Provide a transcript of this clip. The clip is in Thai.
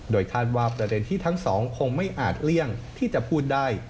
โดยคาดว่าประเด็นที่ทั้งสองคงไม่อาจเลี่ยงที่จะพูดได้